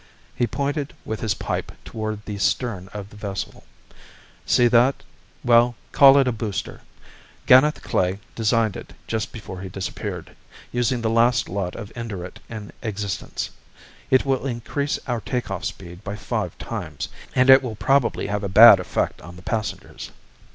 He pointed with his pipe toward the stern of the vessel. "See that ... well, call it a booster. Ganeth Klae designed it just before he disappeared, using the last lot of Indurate in existence. It will increase our take off speed by five times, and it will probably have a bad effect on the passengers."